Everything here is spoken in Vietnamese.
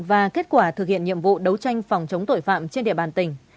và kết quả thực hiện nhiệm vụ đấu tranh phòng chống tội phạm trên địa bàn tỉnh